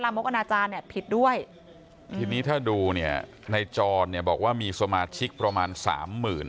ลามกอนาจารย์ผิดด้วยทีนี้ถ้าดูในจอดบอกว่ามีสมาชิกประมาณสามหมื่น